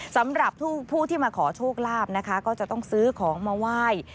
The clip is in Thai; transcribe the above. สำหรับผู้ที่มาขอโชคลาภนะคะก็จะต้องซื้อของมาไหว้